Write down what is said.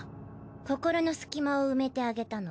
心の隙間を埋めてあげたの。